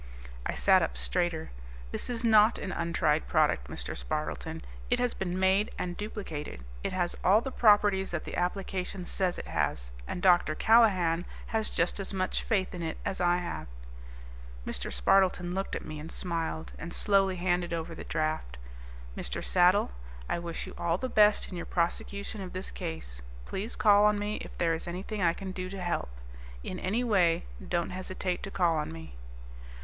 I sat up straighter. "This is not an untried product, Mr. Spardleton. It has been made and duplicated. It has all the properties that the application says it has. And Dr. Callahan has just as much faith in it as I have." Mr. Spardleton looked at me, and smiled, and slowly handed over the draft. "Mr. Saddle, I wish you all the best in your prosecution of this case. Please call on me if there is anything I can do to help. In any way, don't hesitate to call on me."